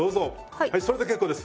それで結構です。